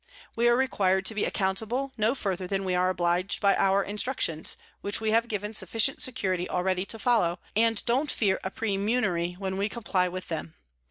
We are requir'd to be accountable no farther than we are oblig'd by our Instructions, which we have given sufficient Security already to follow, and don't fear a Premunire when we comply with them.